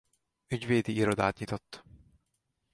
Ügyvédi irodát nyitott.